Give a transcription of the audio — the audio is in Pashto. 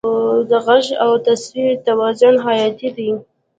د غږ او تصویر توازن حیاتي دی.